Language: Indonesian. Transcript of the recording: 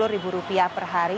sepuluh ribu rupiah per hari